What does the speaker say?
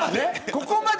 ここまで？